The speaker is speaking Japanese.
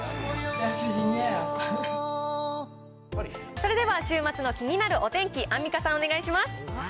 それでは、週末のきになるお天気、アンミカさん、お願いします。